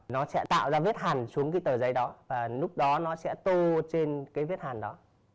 nó sẽ tạo ra vết hàn xuống cái tờ giấy đó và lúc đó nó sẽ tô trên cái vết hàn đó